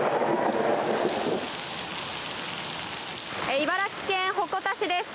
茨城県鉾田市です。